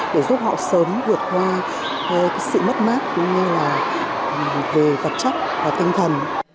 để giúp họ sớm vượt qua sự mất mát về vật chất và tinh thần